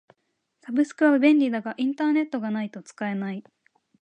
サブスクは便利だがインターネットがないと使えない。